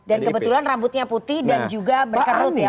dan kebetulan rambutnya putih dan juga berkerut ya wajahnya